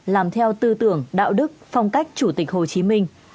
làm theo tư tưởng đạo đức phong cách chủ tịch hồ chí minh